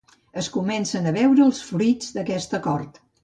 Es comencen a veure els fruits d'aquest acord.